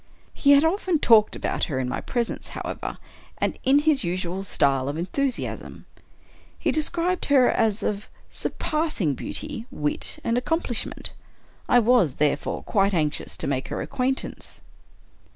He had often talked about her in my presence, however, and in his usual style of enthusiasm. He described her as of surpassing beauty, wit, and accomplishment. I was, therefore, quite anxious to make her acquaintance.